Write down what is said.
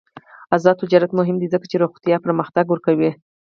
آزاد تجارت مهم دی ځکه چې روغتیا پرمختګ ورکوي.